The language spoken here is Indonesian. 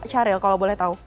caril kalau boleh tahu